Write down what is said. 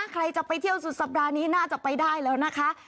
ใครจะไปเที่ยวสุดสัปดาห์นี้น่าจะไปได้แล้วนะคะ